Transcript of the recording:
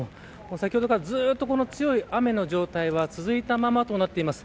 先ほどからずっと強い雨の状態は続いたままとなっています。